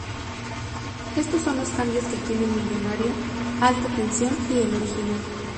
Estos son los cambios que tiene el Millonario Alta Tensión y el original.